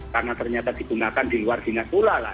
karena ternyata digunakan di luar dinas pula